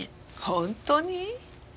本当に？